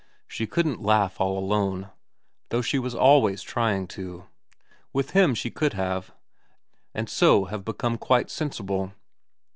She couldn't laugh all alone, though she was always trying to ; with him she 164 VERA XT could have, and so have become quite sensible.